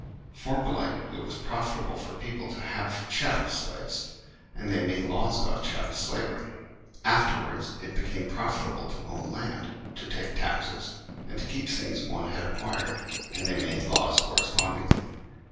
Formerly it was profitable for people to have LAWS THE CAUSE OF SLAVERY 87 chattel slaves ; and they made laws about chattel slavery. Afterwards it became profitable to own land, to take taxes, and to keep things one had acquired, and they made laws correspondingly.